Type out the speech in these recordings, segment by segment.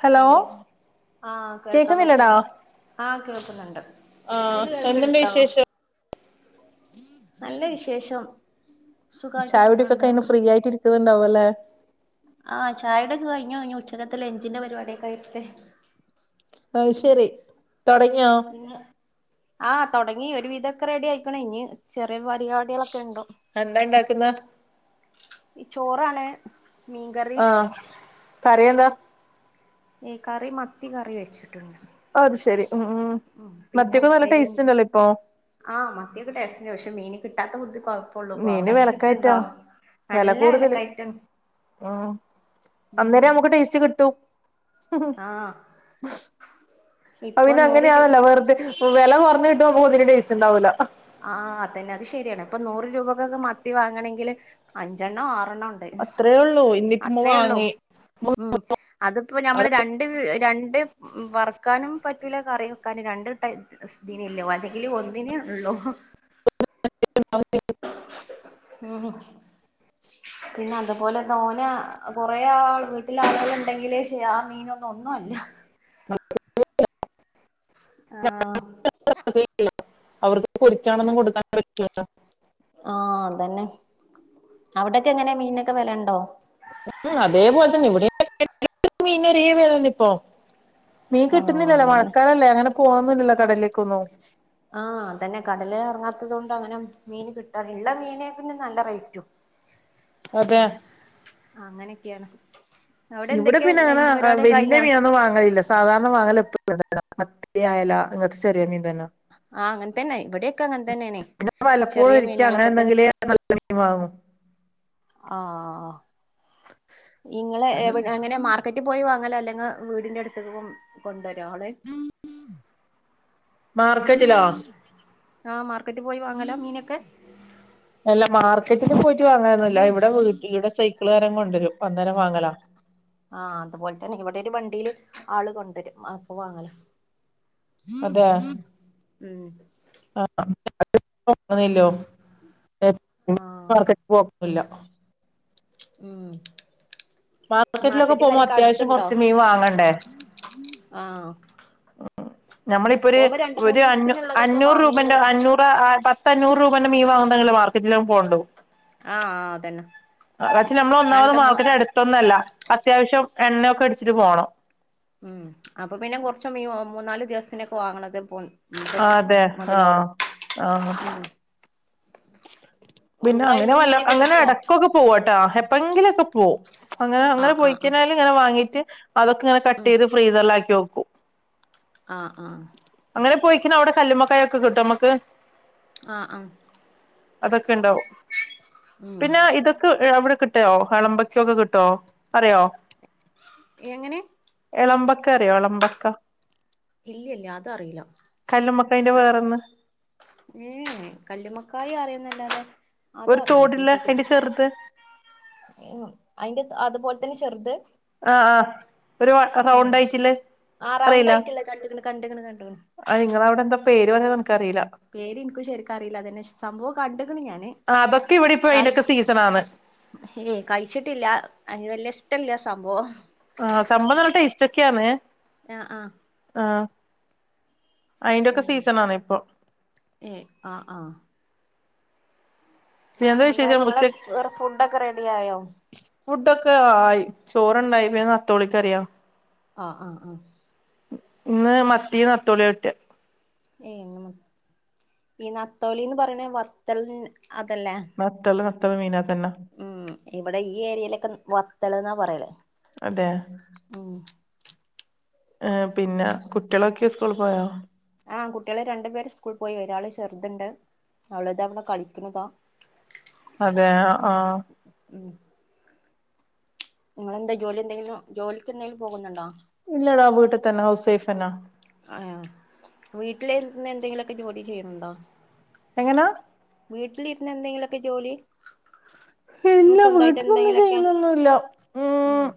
hello എല്ല ആഹ് കേൾക്കാൻ പറ്റി കേക്കുന്നില്ലടാ ആഹ് കേൾക്കുന്നുണ്ട് ആഹ് ഇങ്ങക്ക് എന്തുണ്ട് കേൾക്കണ്ടോ വിശേഷം നല്ല വിശേഷം സുഖായിട്ട് ചായൊടിക്കെ പോണുണ്ട് കഴിഞ്ഞ് ഫ്രീ ആയിട്ടിരിക്കുന്നുണ്ടാവല്ലേ ആഹ് ചായൊടിയൊക്കെ കഴിഞ്ഞു ഇഞ് ഉച്ചക്കത്തെ ലഞ്ചിന്റെ പരിപാടിയൊക്കെ ആയിട്ട് അത് ശരി തുടങ്ങിയോ ഇന്ന് ആഹ് തൊടങ്ങി ഒരു വിധൊക്കെ റെഡി ആയിക്ക്‌ണ് ഇഞ് ചെർ കുറെ പരിപാടികളൊക്കെണ്ട് എന്താ ഇണ്ടാക്കുന്നെ ഈ ചോറാണ് മീൻകറി ആഹ് കറിയെന്താ ഈ കറി മത്തി കറി വെച്ചിട്ടുണ്ട് അത് ശരി ഉം പിന്നെ മത്തിയൊക്കെ നല്ല ഉപ്പേരീം ടേസ്റ്റ് ഉണ്ടല്ലോ ഇപ്പൊ ആഹ് മത്തിയൊക്കെ ടേസ്റ്റന്നെ പക്ഷെ മീന് കിട്ടാത്ത ബുദ്ധി കൊഴപ്പോള്ളൂ മീന് ഇപ്പോവടക്കേ വെലക്കയറ്റാ കിട്ടുണ്ടോ വെല നല്ല കൂടുതല് വിലക്കയറ്റം ഉം അന്നേരം നമുക്ക് ടേസ്റ്റ് കിട്ടും ആഹ് അത് ഇപ്പൊ പിന്നെ നൂറ് രൂ അങ്ങനെയാണല്ലോ വെറുതെ വില കുറഞ്ഞുകിട്ടുമ്പോ നമുക്കൊന്നിനും ടേസ്റ്റുണ്ടാവില്ല ആഹ് അതന്നെ അത് ശരിയാണ് ഇപ്പൊ നൂറ് രൂപക്കൊക്കെ മത്തി വാങ്ങണെങ്കില് അഞ്ചെണ്ണോ ആറണ്ണം ന്നൊണ്ട് ഇഞ്ഞിപ്പോ വാങ്ങി ഉം അതിപ്പോ അത് ഞമ്മള് രണ് കറി വെക്കാൻ [unintelligible] അല്ലെങ്കിൽ ഒന്നിനേ ഉള്ളോ [unintelligible] ഊഹ് ഉം പിന്നെ അതുപോലെ തോന കൊറേ ആൾ വീട്ടില ആളുകൾ ഉണ്ടെങ്കിലേ ശെ ആ മീനൊന്നും ഒന്നുമല്ല [unintelligible] ആഹ് അവർക്ക് പൊരിച്ചാണൊന്നും കൊടുക്കാൻ [unintelligible] ആഹ് അതന്നെ അവിടൊക്കെ എങ്ങനെ മീനൊക്കെ വിലണ്ടോ ഉം അതേപോലെ തന്നെ ഇവിടെ [unintelligible] മീന ഒര വെലയാന്ന് ഇപ്പോ മീൻ ആഹ് കിട്ടുന്നില്ലല്ലോ അതന്നെ മഴക്കാലല്ലേ അങ്ങനെ പോന്നില്ലല്ലോ കടലിലേക്കൊന്നും ആഹ് അതന്നെ കടല് ഇറങ്ങാത്തത് കൊണ്ട് അങ്ങനെ മീൻ കിട്ടാ ഉള്ള മീനെ പിന്നെ നല്ല റേറ്റും അതെ ആ അങ്ങനെയൊക്കെയാണ് അവിടെ ഇവിടെ എന്തൊക്കെയാ പിന്നെ അങ്ങനെ ലഞ്ച് പരിപാടി വല്യ കഴിഞ്ഞാ മീനൊന്നും വാങ്ങലില്ല സാധാരണ വാങ്ങൽ എ മത്തി ആയല്ലാ അങ്ങനത്തെ ചെറിയ മീൻ തന്ന ആഹ് അങ്ങനത്തന്നെ ഇവിടെയൊക്കെ അങ്ങനത്തന്നെയണെ വല്ലപ്പോഴും ഒരിക്ക അങ്ങനെ എന്തെങ്കിലേ നല്ല മീൻ വാങ്ങു ആഹ് ഇങ്ങള് എവിടെ അങ്ങനെ മാർക്കറ്റിൽ പോയി വാങ്ങലാ അല്ലെങ്കിൽ വീടിന്റെ അടുത്തെങ്ങും കൊണ്ടുവ രോളെ മാർക്കറ്റിലോ ആഹ് മാർക്കറ്റ് പോയി വാങ്ങല മീനൊക്കെ വാങ്ങാനൊന്നും ഇല്ല ഇവിടെ വീട്ടില് ഇവിടെ സൈക്കിള്കാരൻ കൊണ്ടുവരും അന്നേരം വാങ്ങല ആഹ് അതുപോലെ തന്നെ ഇവിടെ ഒരു വണ്ടിയില് ആള് കൊണ്ടുവരും അപ്പ വാങ്ങലാ അതെ ഉം ോ ആഹ് മാർക്കറ്റ് പോില്ല [unintelligible] ഉം മാർക്കറ്റിലൊക്കെ മാർക്കറ്റും പോകുമ്പോ കാര്യൊക്കെ അത്യാവശ്യം അടുത്തുണ്ടോ കൊറച്ച് മീൻ വാങ്ങണ്ടേ ആഹ് നഞമ്മളിപ്പൊ ഒരു പോകുമ്പോ രണ്ട് മൂന്ന് ഒരു അ ദിവസത്തിനുള്ളതൊക്കെ അഞ്ഞൂറ് വാങ്ങിണ്ട് രൂപന്റെ അഞ്ഞൂറ് പത്ത അഞ്ഞൂറ് രൂപേന്റെ മീ വാന്തെ മാർക്കറ്റിലും പോകണ്ടോ ആഹ് ആഹ് അതന്നെ റച്ചി നമ്മൾ ഒന്നാമത് രണ്ട് മൂ മാക്കട്ട അടുത്തൊന്നല്ല അത്യാവശ്യം എണ്ണൊക്കെ അടിച്ചിട്ട് പോണം ഉം അപ്പൊ പിന്നെ കൊറച്ചും ഈ മൂന്നാല് ദിവസനൊക്കെ വാങ്ങണത പോ ആ അതെ ആഹ മുതലാവുള്ളൂ ആഹ ഉം പിന്നെ എന്താ അങ്ങനെ ഇന്ന് വല്ല മീനൊക്കെ അങ്ങനെ കിട്ടിയോ അടക്കൊക്കെ പോവട്ടാ എപ്പോങ്കിലുംക്കെ പോ അങ്ങനെ അങ്ങനെ ആഹ് ആഹ് ആഹ് പൊക്കാലും ഇങ്ങനെ വാങ്ങീട്ട് അതൊക്കെ ഇങ്ങെ കട്ട് ചെയ്ത് ഫ്രീസറിലാക്കിക്കും ആഹ ആഹ അങ്ങനെ പോയിക്കണ അവിടെ കല്ലുമ്മക്കായ ഒക്കെ കിട്ടും നമ്മക്ക് ആഹ ആഹ അതൊക്കെ ഉണ്ടാവും ഉം പിന്നെ ഇതൊക്കെ അവിടെ കിട്ടിയോ കളമ്പക്കൊക്കെ കിട്ടോ പറയോ എങ്ങനെ വളമ്പക്ക അറിയോ ഒളമ്പക്ക ഇല്ലല്ല അത അറിയില്ല അയിന്റെ വേറൊന്ന് ഏ കല്ലുമക്ക കായ അറിയുന്നല്ലാതെ അത ഒരു അറിയില്ല തോടില്ല കേത്തിട്ട് അയിന്റെ ചെറുത് അയിന്റെ അതുപോലെ തന്നെ ചെറുത് ആഹ ആഹ ഒരു ഏഹ് സൗണ്ടായിട്ടില്ലേ ആഹ് റൗണ്ട് അറിയില്ല ആയിട്ടുള്ള കണ്ട്ക്ക്ണ് കണ്ട്ക്ക്ണ് കണ്ട്ക്ക്ണ് ആ നിങ്ങളവിടെ എന്താ പേര് വന്ന നനക്ക്റിയില്ല പേര് എനിക്കും ശരിക്കറിയില്ല അതന്നെ സംഭവം കണ്ടക്കനെ ഞാൻ ആഹ് അതൊക്കെ ഇവിടെ ഇപ്പൊ കയ് അയിന്റൊക്കെ സീസണാന്ന് ഏ കഴിച്ചിട്ടില്ല അനി വല്യഷ്ടല്ല സംഭവം ആ സംഭം നല്ല ടെസ്റ്റ്ക്കെയാാണ് ആ ആ ഉ അയിന്റൊക്കെ സീസണാണ് ഇപ്പൊ ഏ ആ ആ പി എന്താ ഇങ്ങളെ വിശേഷച്ച ഫുഡൊക്കെ റെഡി ആയോ ഫുഡക്കെ ആ ചോറുണ്ടായി നത്തോളിക്കറിയാം ആ ആ ആ ഇന്ന് മത്തി നത്തോളിയ ട്ടിയ ഏ ഈ നത്തോലിന്ന് പറയണ വത്തൽ അതല്ല മീന തന്ന ഇവിടെ ഈ ഏരിയയിലൊക്കെ വത്തൽ എന്നാ പറയൽ അതെ എ പിന്നെ കുട്ടികളൊക്കെ സ്കൂൾ പോയോ ആ കുട്ടികളെ രണ്ടുപേര് സ്കൂൾ പോയി ഒരാള് ചെറുതുണ്ട് അവളത അവള കളിക്കുന്നതാ [inaudible] അതെ ആ ആ [inaudible] നിങ്ങെന്താ ജോലി എന്തെങ്കിലും ജോലിക്ക് എന്തെങ്കിലും പോകുന്നുണ്ടോ ഇല്ലടാവ വീട്ട തന്നെ ഹൗസേഫ് എന്ന ആ വീട്ടിലന്ന് എന്തെങ്കിലുമൊക്കെ ജോലി ചെയ്യണണ്ടോ എങ്ങനാ വീട്ടിലിരുന്ന എന്തെങ്കിലുമൊക്കെ ജോലി ഇല്ല സ്വന്തമായിട്ട് വീട്ടന്നൊന്നും എന്തെങ്കിലുമൊക്കെ ചെയ്യുന്നൊന്നുല്ല ഉം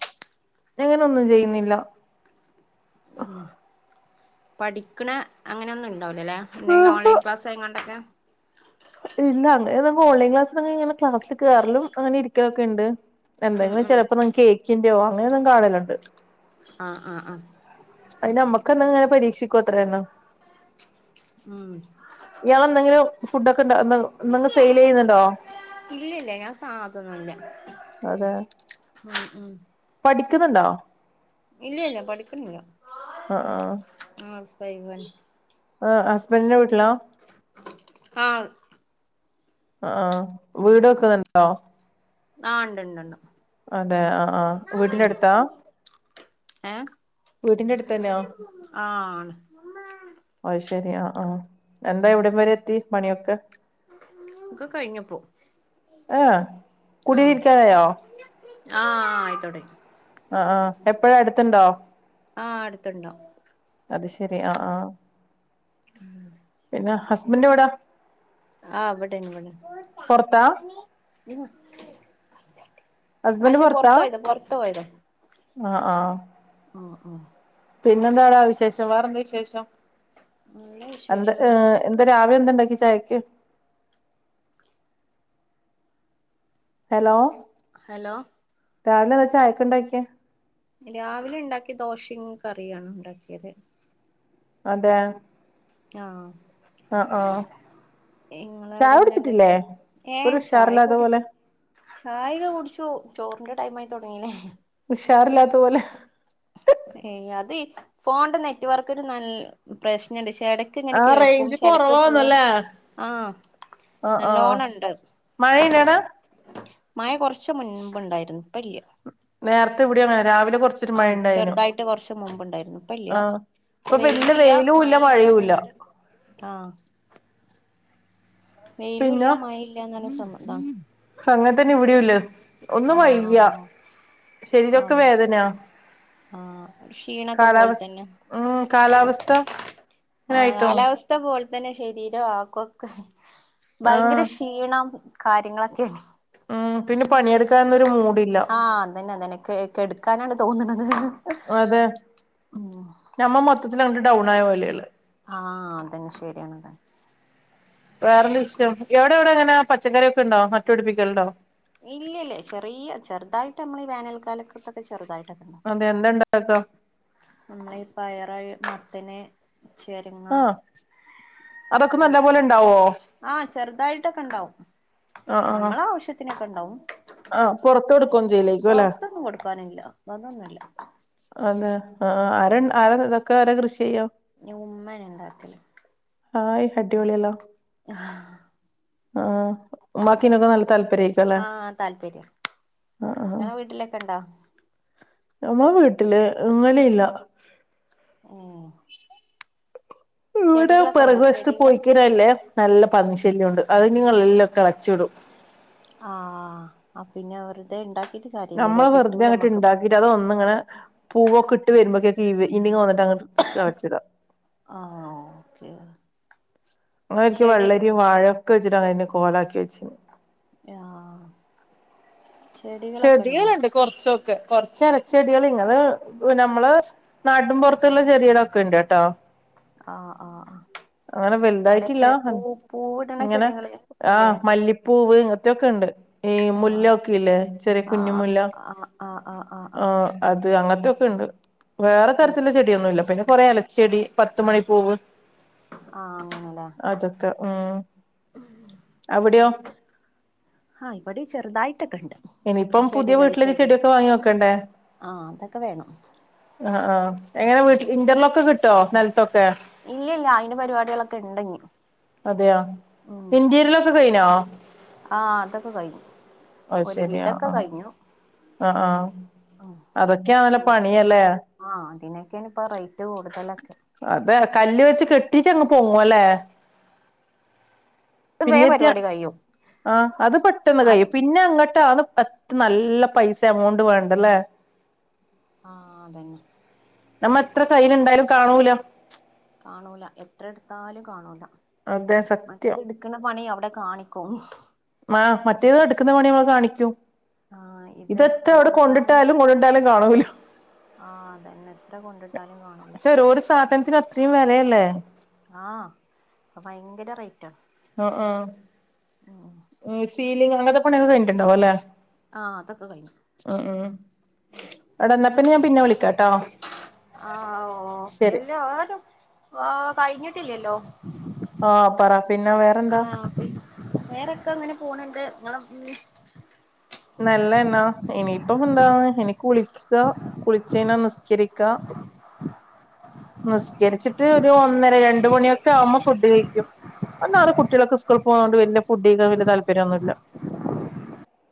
അങ്ങന ഒന്നും ചെയ്യുന്നില്ല ഉ പഠിക്കണ അങ്ങനെൊന്നുംല്ല ഉണ്ടാവില്ല എന്തങ്കില ഓൺലൈ ഊഹും ക്ലസ് കണ്ടക്കെ ഇല്ല അങ്ങനെ നമുക്ക് ഓൺലൈൻ ക്ലാസ് ഇങ്ങനെ ക്ലാസ്സിൽ കയറിലും അങ്ങനെ ഇരിക്കാലോക്കണ്ട് ഉം എന്തെങ്കിലും ഉം ചിലപ്പോ നി കേക്കിന്റെയോ അങ്ങനെന്ന് കാണലുണ്ട് ആ ആ ആ അയിന് നമ്മക്കന്ത ഇങ്ങനെ പരീക്ഷിക്കോ അത്രന്നെ ഉം ഇയാള എന്തെങ്കിലും ഫുഡക്കെ സെയിൽ ചെയ്യുന്നുണ്ടോ ഇല്ലില്ല ഞാൻ സാധൊന്നുല്ല അതെ [inaudible] പഠിക്കുന്നുണ്ടോ ഇല്ല ഇല്ല പഠിക്കുന്നില്ല ആ ആ [unintelligible] ആ ഹസ്ബന്റിന്റെ വീട്ടിലാ ആ ആ വീട് വെക്കുന്നുണ്ടോ ആ ഉണ്ടണ്ടണ്ട് അതെ ആ ആ വീട്ടിന്റടുത്താ എ വീട്ടിന്റെടുത്ത തന്നെയാ ഉമ്മാ അശരിയാ ആ ആ എന്താ എവിടം വരെ എത്തി പണിയൊക്കെ ഇക്ക് കഴിഞ്ഞപ്പോ ആ കുടരിക്കാരയോ ആ ആയിത്തോട ആഹ് ആഹ് എപ്പഴാ അടുത്തുണ്ടോ ആഹ് അടുത്തുണ്ടാവും അത് ശെരി ആഹ് ആഹ് പിന്നെ ഹസ്ബൻഡ് എവിടാ ആഹ് ഇവിടാണ് പൊറത്താ ഇവിടാണ് ഹസ്ബൻഡ് അല്ല പൊറത്താ പൊറത്ത് പോയത പൊറത്ത് പോയത ആഹ് ആഹ് ഓഹ് ഓഹ് പിന്നെന്താടാ വിശേഷം വേറെന്താ വിശേഷം നല്ല എന്ത വിശേഷാണ് എന്താ രാവിലെ എന്താണ്ടാക്കിയെ ത്തേക്ക് ഹലോ ഹലോ രാവിലെയെന്താ ചായയ്ക്കുണ്ടാക്കിയെ രാവിലെ ഉണ്ടാക്കിയത് ദോശയും കറിയുമാണ് ഉണ്ടാക്കിയത് അതെ ആഹ് ആഹ് ഹ ഇങ്ങള് അവിടെ എന്താണ്ടാക്കിയെ ഏഹ് ഒരു ചായ ഉഷാറില്ലാത്ത കുടി പോലെ ചായയൊക്കെ കുടിച്ചു ചോറിന്റെ ടൈം ആയി തുടങ്ങീല്ലേ ഉഷാറില്ലാത്തപോലെ ഏഹ് അത് ഫോണിന്റെ നെറ്റ് വർക്കിന് നല്ല പ്രശ്നുണ്ട് ഇടക്ക് ഇങ്ങനെ ആ കേൾക്കും റേഞ്ച് ചിലക്ക് പോവും കൊറവാന്നല്ലേ ആഹ് ആ ആ നല്ലോണുണ്ട് മഴയിണ്ടാടാ മഴ കുറച്ച് മുൻപ് ഉണ്ടായിരുന്നു ഇപ്പം ഇല്ല്യ നേരത്തെ ഇവിടെയും അങ്ങനെ രാവിലെ കൊറച്ചൊരു മഴ ആഹ് ഇണ്ടായിനു ചെറുതായിട്ട് കുറച്ച് മുമ്പുണ്ടായിരുന്നു ഇപ്പം ആ ഇല്ല്യ ഇപ്പൊ വല്യ വെയിലും ഇല്ല മഴയും ഇല്ല്യ ആഹ് വെയിലും പിന്ന ഇല്ല മഴയും ഇല്ലാന്ന് പറഞ്ഞ സമ ഇതാണ് അങ്ങത്തന്നെ ഇവിടെയും ഇല്ലത് ഒന്നും വയ്യ ആഹ് ശരീരൊക്കെ അതാ വേദനയാ ആഹ് ഒരു ക്ഷീണൊക്കെ പോലെ കാലാവസ്ഥ തന്നെ മ്മ് കാലാവസ്ഥ ആഹ് ഇങ്ങനായിട്ടോ കാലാവസ്ഥ പോല് തന്നെ ശരീരം ആക്കൊക്കെ ആ ഭയങ്കര ക്ഷീണം കാര്യങ്ങളൊക്കെയാണ് മ്മ് പിന്നെ പണിയെടുക്ക ആഹ് അതന്നെ അതന്നെ കെ കെടുക്കാനാണ് തോന്നണുത് അതെ ഞമ്മ മൊത്തത്തില് അങ്ങോട്ട് ഡൗൺ ആയ പോലയ ഉള്ളെ ആഹ് അതന്നെ ശരിയാണ്ത് വേറെന്താ വിശേഷം എവിടെ എവിടെ എങ്ങനെ പച്ചക്കറിയൊക്കെ ഉണ്ടോ നട്ടുപടിപ്പിക്കലുണ്ടോ ഇല്ലല്ലേ ചെറിയ ചെറുതായിട്ട് നമ്മൾ ഈ വേനൽക്കാലത്തൊക്കെ ചെറുതായിട്ട് അതെന്ത ഇണ്ടാക്കാ നമ്മള് ഈ പയറ് മത്തന് ചെരുങ്ങ ആഹ് അതൊക്കെ നല്ല പോലെ കൈപ്പക്ക ഇണ്ടാവോ ആഹ് ചെറുതായിട്ടൊക്കെ ഇണ്ടാവും ആഹ് ആഹ് ഞമ്മളെ ആവശ്യത്തിന് ആഹ് പൊറത്ത് കൊടുക്കുമൊന്നും ചെയ്യലേരിക്കും അല്ലേ വന്നൊന്നല്ല അതെ ആഹ് ആരാ ആരാ ഇതൊക്കെ ആരാ കൃഷി ചെയ്യുക ഉമ്മയാ ഉണ്ടാക്കല് ഹായ് അടിപൊളിയല്ലോ ആഹ് ആഹ് ഉമ്മാക്കിനൊക്കെ നല്ല താല്പര്യായിരിക്കും അല്ലെ ആഹ് താല്പര്യം നിങ്ങടെ വീട്ടിലൊക്കെ ഉണ്ടോ നമ്മ വീട്ടില് അങ്ങനെയില്ല ആഹ ഇവിടെ പിറക വശത്ത് ചെടികള് പോയിക്കലല്ലേ നല്ല പന്നി ശല്യം ഉണ്ട് അത് നിങ്ങളെല്ലാം ഒക്കെ അടച്ചു വിടും ആഹ പിന്നെ അവെറുതെ ഇണ്ടാക്ക നമ്മളെ വെറുെ അങ്ങട്ട് ഉണ്ടാക്കിട്ട് അത് ഒന്ന ഇങ്ങനെ പൂവൊക്കെ ഇട്ട് വരുമ്പോൊക്കെ ഇങ് വന്നിട്ട് അ് കളച്ചിടാ ആഹ ഓക്കെ അങ്ങനെൊരിക്ക ചെടി വള്ളരി വാഴൊക്കെ വെച്ചിട്ട് അങ്ങനെ കോലാക്കി വെച്ചി ആ ചെടികളുണ്ട് കൊറച്ചൊക്കെ കൊറച്ച് ഇലച്ചെടികൾ ഇങ്ങെ നമ്മള് നാടും പുറത്തുള്ള ചെറിയടൊക്കെ ഉണ്ട് കേട്ടോ ആഹ ആഹ ആ അങ്ങനെ വലുതായിട്ടില്ല പൂവിടണ ഇങ്ങനെ ചെടികള് ഇല്ലേ ആഹ് മല്ലിപ്പൂവ് മൊക്കെ ഉണ്ട് ഈ മുല്ല ആഹ് ഒക്കെ ഇല്ലേ അ ആഹ് കുഞ്ഞുമുല്ല ആഹ് ആഹ് ആഹ് ആഹ് ആ ആഹ് അത് അങ്ങത്തെയൊക്കെണ്ട് വേറെ ഏ തരത്തിലുള്ള ചെടിയൊന്നുമ ഇല്ല പിന്നെ കൊറെ ഇലച്ചെടി പത്ത് മണി പൂവ് ആഹ് അങ്ങനെല്ലേ അതൊക്കെ ഉ എവിടെയോ ആഹ് ഇവിടെ ചെറുതായിട്ടൊക്കെ ഉണ്ട് ഇനിയിപ്പം പുതിയ ചെടികൾ വീട്ടിലൊ ചെടികൾ ചെടിയൊക്കെ വാങ്ങി വോക്കണ്ടേ ആഹ് അതൊക്കെ വേണം ആ ആഹ് എങ്ങനെ വീട്ട ഇന്റർലോക്ക്കിട്ടോ നലത്തൊക്കെ ഇല്ല ഇല്ല അയിന്റെ പരിപാടികളൊക്കെ ഉണ്ടെങ്കു അതെയ ഇന്റീരിയലൊക്കെ കഴിനോ ആഹ അതൊക്കെ കഴിഞ്ഞു അ ഒരു ശരിയാ വിധൊക്കെ ആഹ കഴിഞ്ഞു ആഹ ആഹ ഉം അതൊക്കെ അങ്ങല്ലെ പണിയല്ലേ ക്ക ഇപ്പോ റേറ്റ് കടുതല അതെ കല്ല് വെച്ച് കെട്ടിട്ട അങ്ങ് പോങ്ങുവല്ലേ അത് വേ പരിപാടി കഴോ ആ അത് പെട്ടെന്ന് കൈ പിന്നെ അങ്ങോട്ടാ അത് അത്ര നല്ല പൈസ എമൗണ്ട് വേണ്ടല്ലേ ആഹ അതന്നെ നമ്മ എത്ര കയ്ൽ ഇണ്ടായാലും കാണൂല കാണൂല എത്ര എടുത്താലും കാണൂല അതെ മറ്റേ സത്യം ഇത് എടുക്കുന്ന പണി അവിടെ കാണിക്കും ആ മറ്റേത് എടുക്കുന്ന പണി നമ്മൾ കാണിക്കൂ ആഹ് ഇത് ഇതൊത്തെ എത്ര അവിടെ കൊണ്ടിട്ടാലും മുഴണ്ടാലും കാണല്ല ആഹ അതന്നെ എത്ര കൊണ്ടിട്ടാലും കാണൂല ത്ര വരല്ലെ ആഹ അപ്പൊ ഭയങ്കര റേറ്റ്ണ് ആ സീലിങ് അങ്ങനത്തെ പണെ കഴിഞ്ഞിട്ടുണ്ടാവോ അല്ലെ ആഹ് അതൊക്കെ കഴിഞ്ഞു ഉ ഉ അവിടെന്നപ്പ ഞാൻ പിന്നെ വിളിക്കാട്ടോ ആ ശരി ഓക്കല്ല കഴിഞ്ഞിട്ടില്ലല്ലോ ആഹ പറ പിന്ന വേറന്താ വേറെക്കെ അങ്ങനെ പോണണ്ട് നിങ്ങ നല്ല എന്നാ ഇനിയിപ്പം എന്താന്ന് എനിക്ക് കുളിക്കുക കുളിച്ചാ നിസ്കരിക്ക ിക്ക നിസ്കരിച്ചിട്ട് ഒരു ഒന്നര രണ്ട മണിയൊക്കെ ആവുമ്പോ ഫുഡ് കഴിക്കും അന്നാറ് കുട്ടികളക്കെ സ്കൂള പോകത കൊണ്ട് വലിയ ഫുഡ് വലിയ താല്പര്യൊന്നുമില്ല [inaudible]